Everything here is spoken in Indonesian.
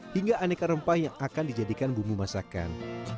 hingga aneka rempah yang akan dijadikan bumbu masakan